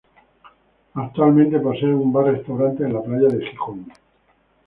Actualmente posee un bar-restaurante en la playa de Gijón.